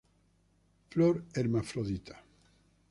Flor hermafrodita.